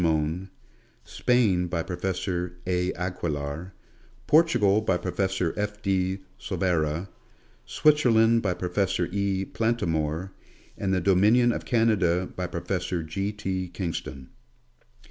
Mohn ; Spain by Professor A. Aquilar ; Portugal by Professor F. de Silveira ; Switzerland by Professor E. Plantamour ; and the dominion of Canada by Professor G. T. Kingston.